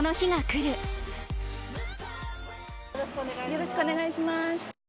よろしくお願いします。